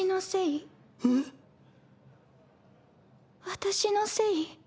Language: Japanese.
私のせい？